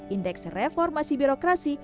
indeks reformasi birokrasi